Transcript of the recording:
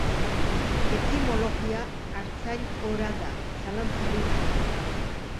Etimologia Artzain-ora da, zalantzarik gabe.